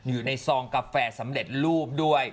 อยู่ในซองกาแฟสำเร็จรูปด้วย